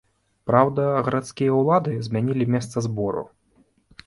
Праўда, гарадскія ўлады змянілі месца збору.